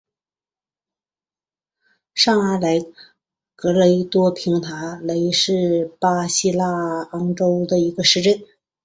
上阿莱格雷多平达雷是巴西马拉尼昂州的一个市镇。